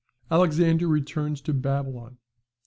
Alexander returns to Babylon.